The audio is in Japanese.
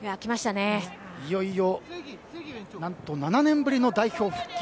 いよいよ何と７年ぶりの代表ス復帰。